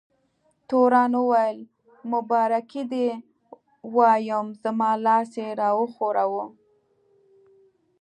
تورن وویل: مبارکي دې وایم، زما لاس یې را وښوراوه.